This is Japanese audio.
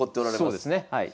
そうですねはい。